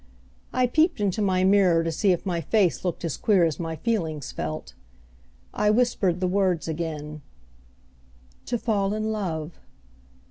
I peeped into my mirror to see if my face looked as queer as my feelings felt. I whispered the words again, "To fall in love."